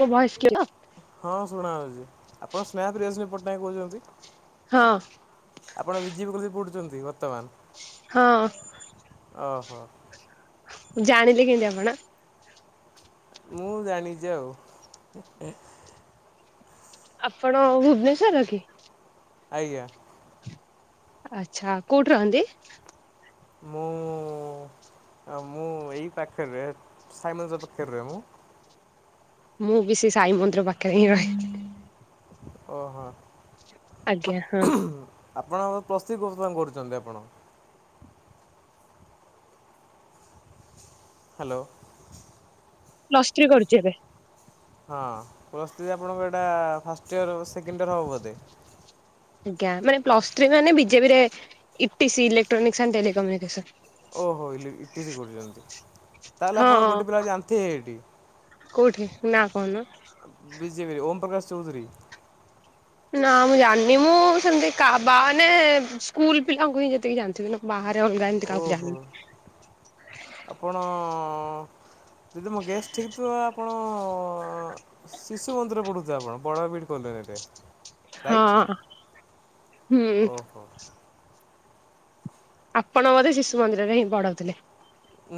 ମୋ voice clear ତ? ହଁ ଶୁଣା ଯାଉଛି ଆପଣ ସ୍ନେହା ପ୍ରିୟଦର୍ଶିନୀ ପଟ୍ଟନାୟକ କହୁଛନ୍ତି? ହଁ। ଆପଣ ବିଜେପି କଲେଜରେ ପଡୁଛନ୍ତି ବର୍ତ୍ତମାନ? ହଁ। ଓହୋ। ଜାଣିଲେ କେମିତି ଆପଣ? ମୁଁ ଜାଣିଛି ଆଉ। ଆପଣ ଭୁବନେଶ୍ଵର କି? ଆଜ୍ଞା। ଆଛା କୋଉଠି ରହନ୍ତି? ମୁଁ ମୁଁ ଏଇ ପାଖରେ ରହେ ସାଇ ମନ୍ଦିର ପାଖରେ ମୁଁ। ମୁଁ ବି ସେ ସାଇ ମନ୍ଦିର ପାଖରେ ହିଁ ରହେ ଓହୋ। ଆଜ୍ଞା ହଁ। ଆପଣ ପଲସ ଥ୍ରୀ [unintelligible] କରୁଛନ୍ତି ଆପଣ। ହ୍ୟାଲୋ। ପ୍ଲସ ଥ୍ରୀ କରୁଛି ଏବେ। ହଁ ପ୍ଲସ ଥ୍ରି ଆପଣଙ୍କ ଏଇଟା ଫାଷ୍ଟ ଇୟର୍ ସେକେଣ୍ଡ ଇୟର୍ ହେବ ବୋଧେ? ଆଜ୍ଞା ମାନେ ପଲସ ଥ୍ରୀ ମାନେ ବିଜେପିରେ ଇପିସି ଲେଟର [unintelligible] ଓହୋ ଇଲ ଇଟି ସି କୋଡ଼ ଯାଉଛି, ତାହେଲେ ହଁ। ଆପଣ ଗୋଟେ ପିଲା ଯାଣିଥବେ ସେଠି? କଉଠି ନା କହନୁ? ବିଜେପି ଓମ୍ ପ୍ରକାଶ୍ ଚୌଧୁରୀ। ନା ମୁଁ ଜାଣିନି ମୁଁ ସେମିତି କା ବାନେ ସ୍କୁଲ ପିଲାଙ୍କୁ ହିଁ ଯେତିକି ଜାଣିଥିବିି ନ ବାହାରେ ଅଲଗା ଏମିତି କାହାକୁ ଓହୋ ଜାଣିନି। ଆପଣ ଯଦି ମୋ ଗେଷ୍ଟ ଠିକ୍ ଥିବ ଆପଣ ଶିଶୁ ମନ୍ଦିର ପଢୁଥିବେ ଆପଣ ବଡ [unintelligible] ରାଇଟ ହଁ। ହୁଁ ଓହୋ। ଆପଣ ମତେ ଶିଶୁ ମନ୍ଦିରରେ ହିଁ ପଢଉଥିଲେ।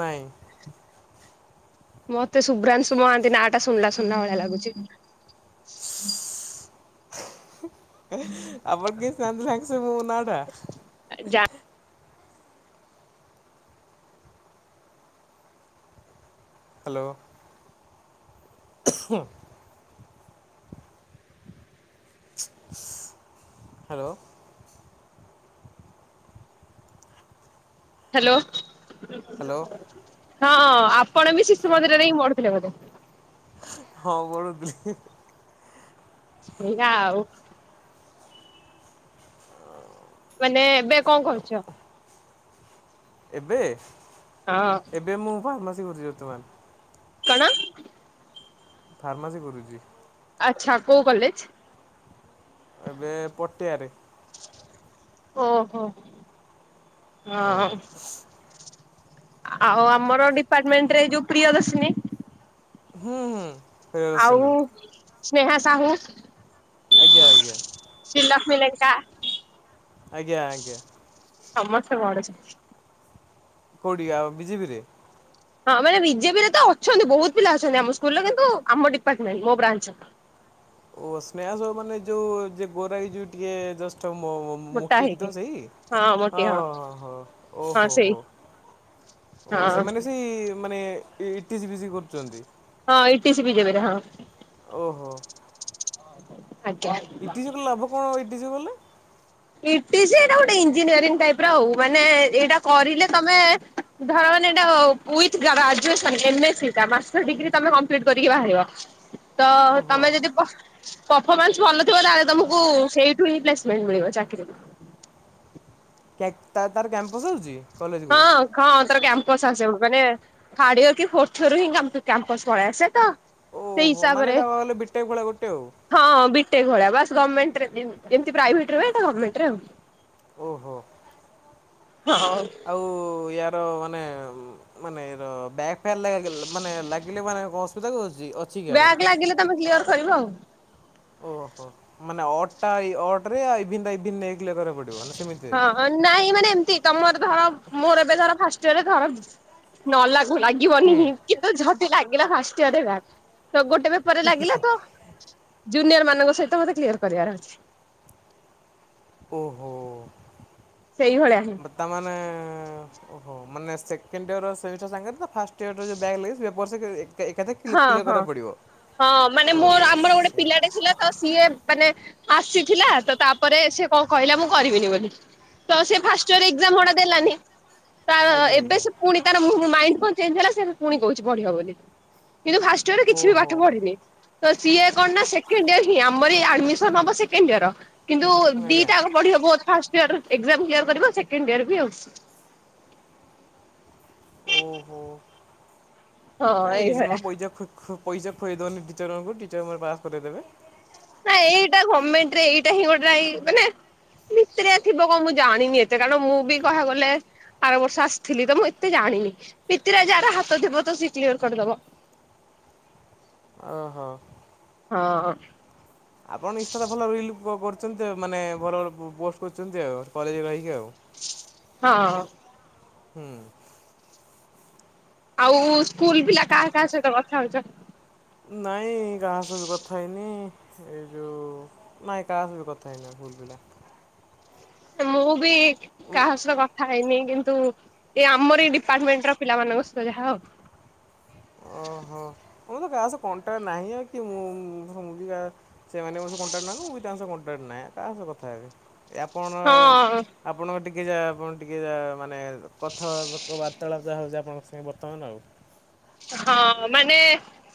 ନାଇଁ। ମତେ ଶୁଭ୍ରାଂଶୁ ମହାନ୍ତି ନାଁ ଟା ଶୁଣିଲା ଶୁଣିଲା ଭଳିଆ ଲାଗୁଚି। ସ୍ ହେଁ ଆପଣ କେମନ୍ତି ଜାଣିଦେଲେ ସାଙ୍ଗ ସାଙ୍ଗ ମୋ ନାଁ ଟା। ଯା ହ୍ୟାଲୋ। [inaudible] ସ୍ ହାଲୋ। ହାଲୋ। ହାଲୋ। ହଁ ଆପଣ ବି ଶିଶୁ ମନ୍ଦିରରେ ହିଁ ପଢୁଥିଲେ ବୋଧେ? ହଁ ପଢୁଥିଲି। ସେଇଆ ଆଉ। ମାନେ ଏବେ କଣ କରୁଚ? ଏବେ? ହଁ। ଏବେ ମୁଁ ଫାର୍ମାସି କରୁଚି ବର୍ତ୍ତମାନ୍। କଣ? ଫାର୍ମାସି କରୁଚି। ଆଚ୍ଛା! କଉ କଲେଜ୍? ଏବେ ପଟିଆରେ। ଓହୋ -ହଁ। ଆଉ ଆମର ଡିପାର୍ଟମେଣ୍ଟ ରେ ଏ ଯଉ ପ୍ରିୟଦର୍ଶିନୀ ହୁଁ -ହୁଁ। ଆଉ ପ୍ରିୟଦର୍ଶିନୀ ସ୍ନେହା ସାହୁ ଆଜ୍ଞା- ଆଜ୍ଞା। ଶ୍ରୀଲକ୍ଷ୍ମୀ ଲେଙ୍କା ଆଜ୍ଞା- ଆଜ୍ଞା। ସମସ୍ତେ କରୁଚନ୍ତି। କଉଠି ଆଉ ବିଜେପିରେ? ହଁ ମାନେ ବିଜେପିରେ ତ ଅଛନ୍ତି ବହୁତ୍ ପିଲା ଅଛନ୍ତି ଆମ ସ୍କୁଲର କିନ୍ତୁ ଆମ ଡିପାର୍ଟମେଣ୍ଟ ମୋ ବ୍ରାଞ୍ଚର। ଓ ସ୍ନେହା ସାହୁ ମାନେ ଯଉ ଯେ ଗୋରା ହେଇକି ଟିକେ ଜଷ୍ଟ ମୋ ମୋଟି ହେଇକି ତ ସେଇ ହଁ ମୋଟି ହଁ- ହଁ- ହଁ -ହଁ ଓହୋ- ହୋ। ଓ ହଁ ସେମାନେ ସେଇ ମାନେ ଇଟିସି ବିସି କରୁଚନ୍ତି। ହଁ ଇଟି ସି ବିଜେପିରେ ହଁ। ଓହୋ। [unintelligible] ଆଜ୍ଞା। ଇଟିସି କଲେ ଲାଭ କଣ ଇଟିସି କଲେ? ଇଟିସି ଏଇଟା ଗୋଟେ ଇଞ୍ଜିନିୟରିଂ ଟାଇପ୍ ର ଆଉ ମାନେ ଏଇଟା କରିଲେ ତମେ ଧର ମାନେ ଏଟା କୁଇଜ୍ ଗ୍ରାଜ୍ୟୁଏସନ୍ ଜେନେସିଭଟା ମାଷ୍ଟର ଡିଗ୍ରୀ ତମେ କମ୍ପ୍ଲିଟ୍ କରିକି ବାହାରିବ। [unintelligible] ଓହୋ। ତ-ତମେ ଯଦି ପଫ୍- ପଫମାନ୍ସ ଭଲ ଥିବ ତାହେଲେ ତମକୁ ସେଇଠୁ ହିଁ ପ୍ଲେସମେଣ୍ଟ୍ ମିଳିବ ଚାକ୍ କି କ୍ୟାକ୍ ତାର ତାର କ୍ୟାମ୍ପସ ଅଛି କଲେଜକୁ? ହଁ ହଁ ତାର କ୍ୟାମ୍ପସ ଆସିବ ମାନେ ଥାର୍ଡ ୟିଅର କି ଫୋର୍ଥ ୟିଅରରୁ ହିଁ କା କ୍ୟାମ୍ପସ ପଳେଇ ଆସେ ତ ସେଇ ଓହୋ ହିସାବରେ ମାନେଟା କଣ କହିଲ ବିଟେକ୍ ଭଳିଆ ଗୋଟେ ଆଉ ହଁ ବିଟେକ୍ ଭଳିଆ ବାସ୍ ଗମେଣ୍ଟ୍ ରେ ଯେ- ଯେମିତି ପ୍ରାଇଭେଟରେ ହୁଏ ଏଟା ଗମେଣ୍ଟରେ ଆଉ। ଓହୋ। [unintelligible] ଆଉ ଇଆର ମାନେ ଉଁ ମାନେ ର ବ୍ୟାକ୍ ଫ୍ୟାକ୍ ଲାଗିଲେ ମାନେ ଲାଗିଲେ ମାନେ କଣ ଅସୁବିଧା ହଉଚି ଅ ବ୍ୟାକ୍ ଲାଗିଲେ ତମେ କ୍ଲିୟର୍ କରିବ ଆଉ। ଓହୋ ମାନେ ଅଡ ଟା ଇ ଅଡ ରେ ଇଭିନ ଟା ଇଭିନ ରେ କ୍ଲିୟର କରିବାକୁ ପଡ଼ିବ ନା ସେମିତି? ହଁ ନାଇଁ ମାନେ ଏମତି ତମର ଧର ମୋର ଏବେ ଧର ଫାଷ୍ଟିଇଅର୍ ଧର ନ ଲାଗୁ ଲାଗିବନି ହୁଁ। ହିଁ କିନ୍ତୁ ଜଦି ଲାଗିଲା ଫାଷ୍ଟିଅରରେ ବ୍ୟାକ୍ ତ ଗୋଟେ ପେପରରେ ଲାଗିଲା ତ ଜୁନିୟର ମାନଙ୍କ ସହିତ ମତେ କ୍ଲିୟର କରିବାର ଅଛି। ଓହୋ। ସେଇଭଳିଆ ହିଁ। ତାମାନେ ଓହୋ ମାନେ ସେକେଣ୍ଡିଅର ର ସେମିଷ୍ଟାର ସାଙ୍ଗରେ ତ ଫାଷ୍ଟ ୟଅର ର ଯୋଉ ବ୍ୟାକ ଲାଗିଛି ବସେକେ ହଁ ହଁ ହଁ ମାନେ ଓହୋ ମୋର ଆମର ଗୋଟେ ସେ ପିଲାଟେ ଥିଲା ତ ସିଏ ମାନେ ଆସିଥିଲା ତ ତାପରେ ସେ କଣ କହିଲା ମୁଁ କରିବିନି ବୋଲି। ତ ସେ ଫାଷ୍ଟିଅର ଏକ୍ଜାମ ଗୁଡା ଦେଲାନି। ତା ଆଜ୍ଞା ଏବେ ଆଜ୍ଞା ସେ ପୁଣି ତାର ଉଁ ମାଇଣ୍ଡ କଣ ଚେଞ୍ଜ ହେଲା ସେ ପୁଣି କହୁଛି ପଢିବ ବୋଲି। କିନ୍ତୁ ଫାଷ୍ଟୟଅରେ କିଛି ବି ଓହୋ ପାଠ ପଢିନି। ତ ସିଏ କଣ ନା ସେକେଣ୍ଡିୟର ହିଁ ଆମରି ଆଡମିସନ ହବ ସେକେଣ୍ଡ ଇୟର କିନ୍ତୁ ଆଜ୍ଞା ଦିଟା ପଢି ହବ but first year exam clear କରିବ ସେକେଣ୍ଡ ଇୟର ବି ଆଉଚି ଓହୋ ହଁ କାଇଁ ଏଜ୍ ଏଇଭଳିଆ। ନ ପଇଚା ପଇସା ଖୁଆଇ ଦଉନି ଟିଚର ମାନଙ୍କୁ ଟିଚର ମନେ ପାସ୍ କରେଇଦେବେ। ନା ଏଇଟା ଗମେଣ୍ଟ ରେ ଏଇଟା ହିଁ ଗୋଟାଇ ମାନେ ଭିତିରିଆ ଥିବ କଣ ମୁଁ ଜାଣିନି ଏତେ କାରଣ ମୁଁ ବି କହିବାକୁ ଗଲେ। ଆର ବର୍ଷ ଆସିଥିଲି ତ ମୁଁ ଏତେ ଜାଣିନି ଭିତିରିଆ ଯାହାର ହାତ ଥିବ ତ ସିଏ କ୍ଲିୟର କରିଦବ। ଅହୋ। ହଁ। ଆପଣ ଇନଷ୍ଟାରେ ଭଲ ରିଲ୍ କକରୁଛନ୍ତି ଆଉ ମାନେ ଭଲ ଭଲ ପୋଷ୍ଟ କରୁଛନ୍ତି ଆଉ କଲେଜରୁ ଆଇକି ଆଉ। ହ [unintelligible] ହଁ। ହୁଁ। ଆଉ ସ୍କୁଲ ପିଲା କାହା କାହା ସହିତ କଥା ହଉଚ? ନାଇଁ କାହା ସହ ବି କଥା ହେଇନି ଏଇ ଯୋଉ ନାଇଁ କାହା ସହ କଥା ହେଇନି ସ୍କଲ ପିଲା। ମୁଁ ବି କାହା ସହ କଥା ଖାଇନି କିନ୍ତୁ ଏ ଆମରି ଡିପାର୍ଟମେଣ୍ଟ ର ପିଲାମାନଙ୍କ ସହିତ ଯାହା ଆଉ। ଓହୋ ମୁଁ ତ କା ସହ କଣ୍ଟାକ୍ ନାହିଁ ଆ କି [unintelligible] ସେମାନେ ମୋ ସହ କଣ୍ଟାକ୍ଟ ନାହାନ୍ତି ମୁଁ ବି ତାଙ୍କ ସହ କଣ୍ଟାକ୍ଟ ନାହିଁ କାହା ସହ କଥା ହେବି ଆପଣ ହଁ ଆପଣଙ୍କ ଟିକେ ଯାହା ଆପଣ ଟିକେ ଯା ମାନେ କଥା ବାର୍ତ୍ତାଳାପ ଯାହା ହଉଛି ଆପଣଙ୍କ ସାଙ୍ଗେ ବର୍ତ୍ତମାନ ଆଉ। ହଁ ମାନେ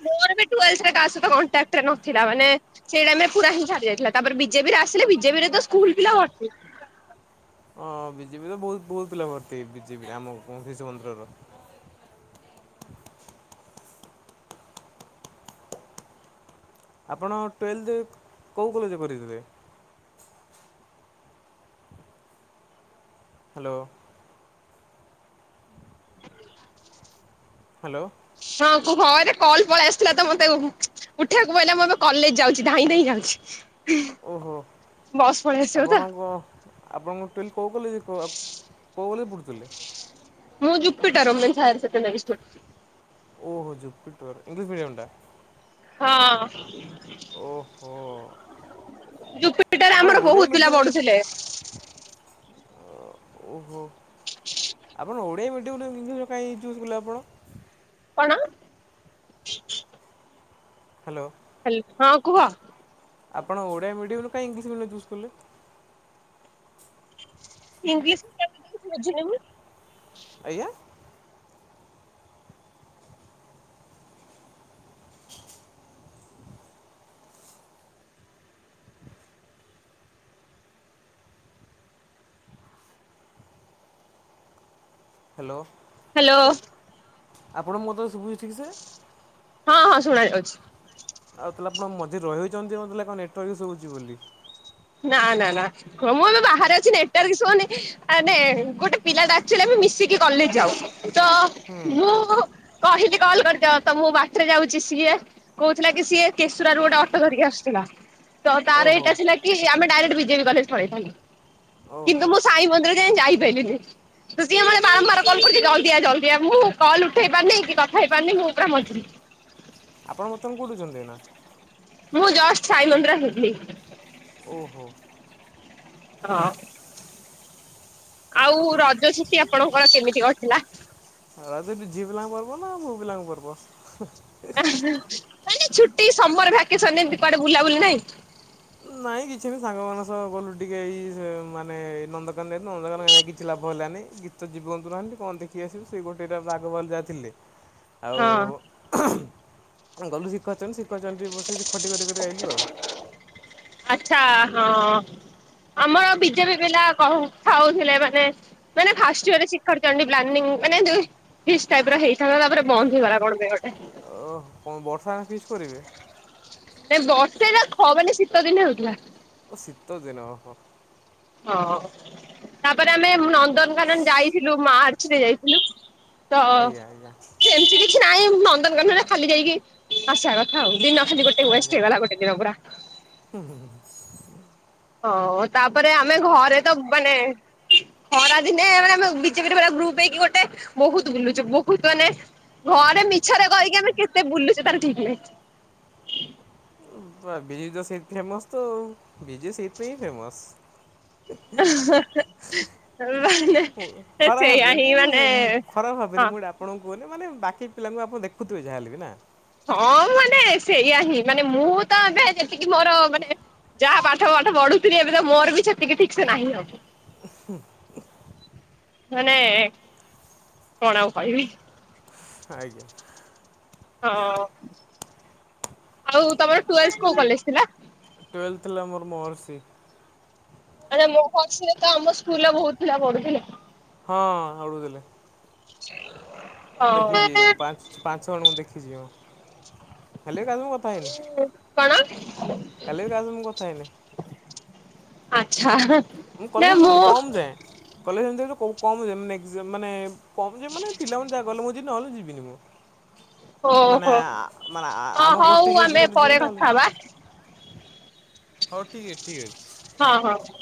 ମୋର ବି ଟୁଏଲଥ ରେ କାହା ସହ କଣ୍ଟାକ୍ଟରେ ନଥିଲା ମାନେ ସେଇ ଟାଇମ୍ ରେ ପୁରା ହିଁ ଛାଡି ଯାଇଥିଲା ତାପରେ ବିଜେପିରେ ଆସିଲେ ବିଜେପିରେ ତ ସ୍କୁଲ ପିଲା ଭର୍ତି। ହଁ ବିଜେପିରେ ତ ବହୁତ ବହୁତ ପିଲା ଭର୍ତ୍ତି ବିଜେପି ଆମ ଶିଶୁ ମନ୍ଦିରର। ଆପଣ ଟୁଏଲ୍ଥେ କୋଉ କଲେଜରେ କରିଥିଲେ? ହାଲୋ। ହାଲୋ। ହଁ କୁହ ଆରେ କଲ୍ ପଳେଇ ଆସିଥିଲା ତ ମତେ ଉଠେଇବାକୁ ପଇଲା ମୁଁ ଏବେ କଲେଜ ଯାଉଛି ଧାଇଁ ଧାଇଁ ଯାଉଛି। ଓହୋ ବସ୍ ପଳେଇ ଆସିବ ତ ଆପଣଙ୍କ ଆପଣ ଙ୍କ [unintelligible] କଉ କଲେଜ କଉ କଲେଜ ପଡ଼଼ୁଥିଲେ। ମୁଁ ଜୁପିଟର ଓମେନ ହାଇୱେର ସେକେଣ୍ଡାରୀ ଓହୋ ଜୁପିଟୋ ଏଇଂଲିସ୍ ମିଡ଼ିୟମ୍ ଟା। ହଁ। ଓହୋ। ଜୁପିଟର ଆମର ବହୁତ ପିଲା ପଢୁଥିଲେ। ଓ ଓହୋ। ଆପଣ ଓଡ଼ିଆ ମିଡ଼ିୟମ୍ [unintelligible] କାହିଁ ଚୁଜ୍ କଲେ ଆପଣ? କଣ? ହାଲୋ। ହାଲୋ ହଁ କୁହ। ଆପଣ ଓଡ଼ିଆ ମିଡିୟମରୁ କାଇଁ ଇଂଲିସ୍ ମିଡିୟମ୍ ଚୁଜ୍ କଲେ। ଇଂଲିସ୍ ଟୋଟାଲ [unintelligible] କିଛି ବୁଝିଲି ନି। ଆଜ୍ଞା? ହ୍ୟାଲୋ? ହ୍ୟାଲୋ। ଆପଣ ମୋତେ ଶୁଭୁଛି ଠିକ୍ ସେ? ହଁ ହଁ ଶୁଣା ଯାଉଛି। ଆଉ ତାହେଲେ ଆପଣ ମଝରେ ରହିଉଛନ୍ତି ମେ କଣ ନେଟୱାର୍କ ହୁଉଛି ବୋଲି। ନା ନା ନା ମୁଁ ଏବେ ବାହାରେ ଅଛିି ନେଟୱାର୍କ ଇସୁ ହୋନି ଆରେ ଗୋଟେ ପିଲାଟା ଆକଚୁଆଲି ଆମେ ମିଶିକି କଲେଜ ଯାଉ ତ ହୁଁ ମୁଁ କହିଲି କଲ୍ କରିଦଅ ତ ମୁଁ ବାଟରେ ଯାଉଛି ସିଏ କହୁଥିଲା କି ସିଏ କେଶୁରା ରୁ ଗୋଟେ ଅଟୋ ଧରିକି ଆସୁଥିଲା। ତ ତାର ଓହୋ ଏଇଟା ଥିଲା କି ଆମେ ଡାଇରେକ୍ଟ ବିଜେପି କଲେଜ ପଳେଇଥିଲୁ ଓହୋ କିନ୍ତୁ ମୁଁ ସାଇ ମନ୍ଦିର ଜେ ଯାଇ ପାଇଲି ନି। ତୁ ସିଏ ମାନ ବାରମ୍ୱାର କଲ୍ କରୁଛି ଜଲଦିଆ ଜଲଦିଆ ମୁଁ କଲ ଉଠେଇ ପାରୁନି କି କଥା ହେଇ ପାରନି ମୁଁ ପୁରା ମଜୁରି। ଆପଣ ବର୍ତ୍ତମାନ କେଉଁଠୀ ଅଛନ୍ତି ଏଇନା? ମୁଁ ଜଷ୍ଟ ସାଇ ମନ୍ଦିର ହେବି। ଓହୋ। ହଁ। ଆଉ ରଜ ଛୁଟି ଆପଣଙ୍କର କେମିତି କଟିଲା? ରାଜ ବି ଝିଅ ପିଲାଙ୍କ ପର୍ବ ନା ପୁଅ ପିଲାଙ୍କ ପର୍ବ? ନାଇ ନାଇ ଛୁଟି ସମର ଭ୍ୟାକେସନ ଏମିତି କୁଆଡେ ବୁଲାବୁଲି ନାହିଁ? ନାଇଁ କିଛି ବି ସାଙ୍ଗ ମାନଙ୍କ ସହ ଗଲୁ ଟିକେ ଏଇ ମାନେ ନନ୍ଦକାନ ଯୁ ନନ୍ଦକାନ ଯାଇ କିଛି ଲାଭ ହେଲାନି। ଗୀତ ଜୀବନ୍ତୁ ନାହାଁନ୍ତି କଣ ଦେଖି ଆସିବୁ ସେଇ ଗୋଟେ ଦିଟା ବାଘଭାଲୁ ଯାହା ଥିଲେ। ହଁ ଆଉ ଗଲୁ ଶିଖ ଅଛନ୍ତି ଶିଖ ଅଛନ୍ତି ବସିକ ବସି ଖଟି କରି କରି ଆଇଲୁ ଆଉ। ଆଚଛା ହଁ। ଆମର ବିଜେପି ପିଲା କଥା ହଉଥିଲେ ମାନେ ମାନେ ଫାଷ୍ଟ ୟରରେ ଶିଖରଚଣ୍ଡୀ ବ୍ଲାନିଙ୍ଗଂ ମାନେ ଫିସ୍ ଟାଇପ ର ହେଇ ଥାଆନ୍ତା ତାପରେ ବନ୍ଦ ହେଇଗଲା କଣ ପାଇଁ ଗୋଟେ। ଓହ କଣ ବର୍ଷା ଆେ ପିସ୍ କରିବେ? ନାଇ ବର୍ଷେ ନା ଖ ମାନେ ଶୀତ ଦିନ ହେଉଥିଲା। ତ ଶୀତ ଦିନ ଓହୋ। ହଁ ତାପରେ ଆମେ ନନ୍ଦନକାନନ ଯାଇଥିଲୁ ମାର୍ଚ୍ଚରେ ଯାଇଥିଲୁ। ତ ଆଜ୍ଞା ଆଜ୍ଞା ସେମିତି କିଛି ନାଇଁ ନନ୍ଦନକାନରେ ଖାଲି ଯାଇକି ଆସିବା କଥା। ହଉ ଦିନ ଖଲିି ଗଟେ ୱେଷ୍ଟ ହେଇ ଗଲା ଗୋଟେ ଦିନ ପୁରା। ହୁଁ ହୁଁ ହୁଁ। ହଁ ତାପରେ ଆମେ ଘରେ ତ ବାନେ ଖରାଦିନେ ମାନେ ଆମେ ବି ଜେ ପି ରେ ପୁରା ଗ୍ରୁପ ହେଇକି ଗୋଟେ ବହୁତ ବୁଲୁଛୁ ବହୁତ ମାନେ ଘରେ ମିଛରେ କହିକି ଆମେ କେତେ ବୁଲୁଛ ତାହେଲେ ଠିକ ନାହିଁ। ଦିଜେ ସେଇ ଫେମସ ତ ଆଉ ଦିଜେ ସେଇଥି ପାଇଁ ହିଁ ଫେମସ। ମାନେ ଖରାପ ସେଇଆ ହିଁ ଭାବିବେନି ମୁଁ ମାନେ ଖରାପ ହଁ ଭାବିବେନି ମୁଁ ଡ ଆପଣ କହୁନି ମାନେ ବାକି ପିଲାଙ୍କୁ ଆପଣ ଦେଖୁଥିବେ ଯାହାହେଲେ ବି ନା। ହଁ ମାନେ ସେଇଆ ହିଁ ମାନେ ମୁଁ ତ ଏବେ ଯେତିକି ମୋର ମାନେ ଯାହା ପାଠ ପାଠଢୁଥିଲି ଏବେ ତ ମୋର ବି ସେତିକି ଠିକ ସେ ନାହିଁ ଆଉ। [unintelligible] ମାନେ କଣ ଆଉ କହିବି। ଆଜ୍ଞା। ହଁ ଆଉ ତମର ଟ୍ୱେଲ୍ଥ କୋଉ କଲେଜ ଥିଲା? ଟ୍ୱେଲ୍ଥ ଥିଲା ମୋର ମହର୍ଷି। ମାନେ ମୋହର୍ଷି ରେ ତ ଆମ ସ୍କୁଲର ବହୁତ ପିଲା ପଢୁଥିଲେ। ହଁ ହବୁ ଥିଲେ। ହଁ ଦେଖିଛି ପା ପାଞ୍ଚ ଜଣଙ୍କୁ ଦେଖିଛି ମୁଁ ଖାଲି କା ଥା ହେଇନି କଣ? ହେଲେ ରେ କାହା ସହ ମୁ କଥା ହେଇନି। ଆଚ୍ଛା। ମୁଁ କଲେଜ ଯେହେ ତୁ କମ ଯାଏ। କଲେଜ ଏମିତି ଆକା କୋଉ ଯାଏ ଏକ୍ସ ମାନେ କମ ଯାଏ ମାନେ ପିଲାମାନେ ଯାହା ଗଲେ ମୁଁ ଯି ନହେଲେ ଯିବିନି ମୁଁ। ମାନେ ଓହୋ ଆ ମାନେ ଆ ହଁ ଆମ ଗୋଷ୍ଠୀ ହଉ ଯ ଯିବ ଆମେ ଯିବି ପରେ ନହେଲେ ନାଇ। କଥା ହବା ହଉ ଠିକ ଅଛି ଠିକ ଅଛି। ହଁ ହଁ।